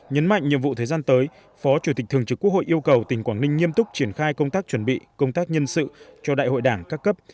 nhấn mạnh nhiệm vụ thời gian tới phó chủ tịch thường trực quốc hội yêu cầu tỉnh quảng ninh nghiêm túc triển khai công tác chuẩn bị công tác nhân sự cho đại hội đảng các cấp